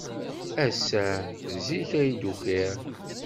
Ass-a, zik ay d-ukiɣ.